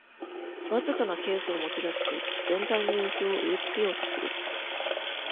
わずかなケースを持ちだして全体の印象を植え付けようとする